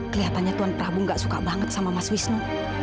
kelihatannya tuhan prabu gak suka banget sama mas wisnu